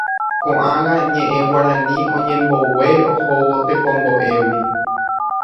Koʼág̃a ñeʼẽ Guarani oñembogue ohóvo tekomboʼégui.